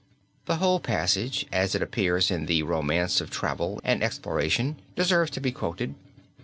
The whole passage as it appears in The Romance of Travel and Exploration deserves to be quoted.